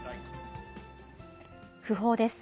訃報です。